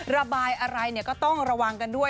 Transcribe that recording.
ระบายอะไรก็ต้องระวังกันด้วย